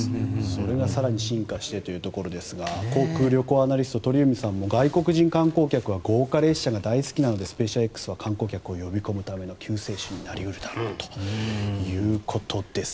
それが更に進化してというところですが航空・旅行アナリストの鳥海さんも外国人観光客は豪華列車が大好きなのでスペーシアＸは観光客を呼び込むための救世主になり得るだろうということですが。